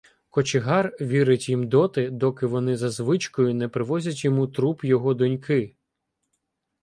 Кочегар вірить їм доти, доки вони за звичкою не привозять йому труп його доньки.